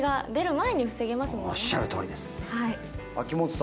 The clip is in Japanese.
おっしゃるとおりです。